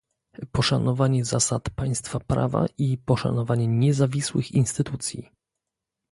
poszanowanie zasad państwa prawa i poszanowanie niezawisłych instytucji